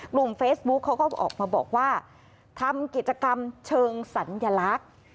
กลุ่มเฟซบุ๊คเขาก็ออกมาบอกว่าทำกิจกรรมเชิงสัญลักษณ์